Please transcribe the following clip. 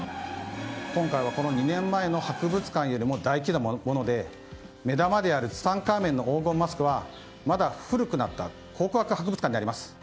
今回は、この２年前の博物館よりも大規模なもので目玉であるツタンカーメンの黄金マスクはまだ古くなった考古学博物館にあります。